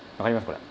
これ。